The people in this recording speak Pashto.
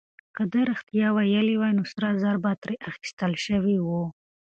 که ده رښتيا ويلي وای، نو سره زر به ترې اخيستل شوي وو.